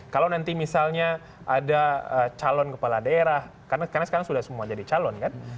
kalau nanti misalnya ada calon kepala daerah karena sekarang sudah semua jadi calon kan